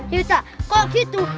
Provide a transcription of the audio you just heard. yaudah kalau gitu